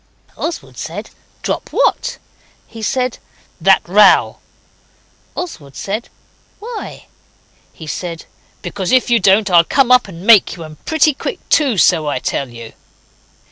Oswald said, 'Drop what?' He said, 'That row.' Oswald said, 'Why?' He said, 'Because if you don't I'll come up and make you, and pretty quick too, so I tell you.